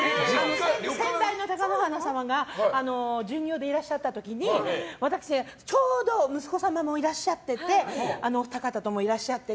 先代の貴乃花様が巡業でいらっしゃった時にちょうど息子様もいらっしゃっててお二方とも。